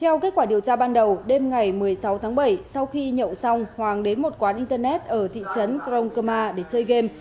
sau kết quả điều tra ban đầu đêm ngày một mươi sáu tháng bảy sau khi nhậu xong hoàng đến một quán internet ở thị trấn krong kama để chơi game